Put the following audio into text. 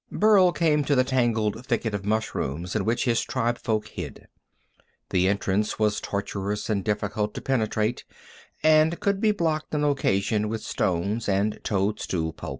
Burl came to the tangled thicket of mushrooms in which his tribefolk hid. The entrance was tortuous and difficult to penetrate, and could be blocked on occasion with stones and toadstool pulp.